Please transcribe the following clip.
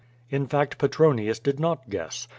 In fact Petronius did not guess.